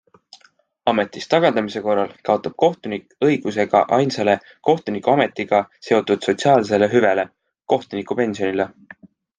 Ametist tagandamise korral kaotab kohtunik õiguse ka ainsale kohtunikuametiga seotud sotsiaalsele hüvele - kohtunikupensionile.